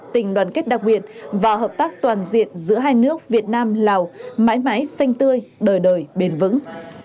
tình đoàn kết đặc biệt và hợp tác toàn diện giữa hai nước việt nam lào mãi mãi xanh tươi đời đời bền vững